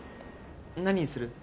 何にする？